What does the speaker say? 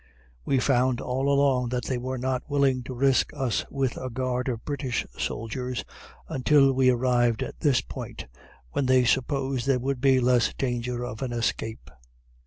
We found all along that they were not willing to risk us with a guard of British soldiers until we arrived at this point, when they supposed there would be less danger of an escape.